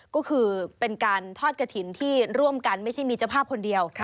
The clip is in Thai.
ก็คือเป็นการทอดกระถิ่นที่ร่วมกันไม่ใช่มีเจ้าภาพคนเดียว